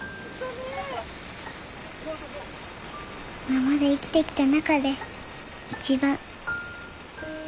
今まで生きてきた中で一番。